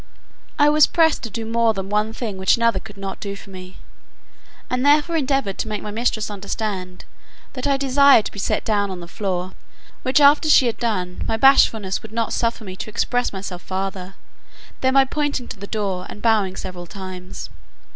I was pressed to do more than one thing which another could not do for me, and therefore endeavoured to make my mistress understand, that I desired to be set down on the floor; which after she had done, my bashfulness would not suffer me to express myself farther, than by pointing to the door, and bowing several times.